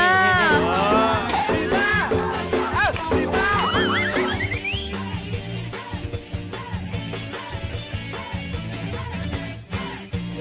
เอ้าหลีบแล้ว